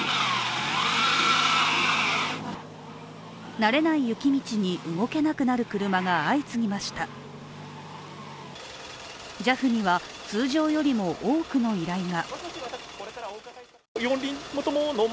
慣れない雪道に動けなくなる車が相次ぎましたＪＡＦには通常よりも多くの依頼が。